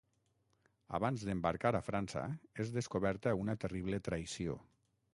Abans d'embarcar a França és descoberta una terrible traïció.